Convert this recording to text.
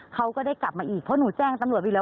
เขาก็ได้กลับมาอีกเพราะหนูแจ้งตำรวจไปแล้ว